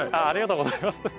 ありがとうございます。